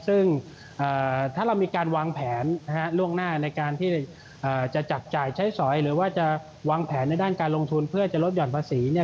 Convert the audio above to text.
ซึ่งถ้าเรามีการวางแผนล่วงหน้าในการที่จะจับจ่ายใช้สอยหรือว่าจะวางแผนในด้านการลงทุนเพื่อจะลดหย่อนภาษี